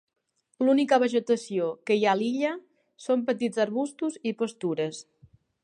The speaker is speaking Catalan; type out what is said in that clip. L'única vegetació que hi ha a l'illa són petits arbustos i pastures.